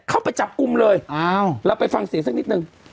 เข้าไปจับกุมเลยอ้าวแล้วไปฟังเสียงสักนิดหนึ่ง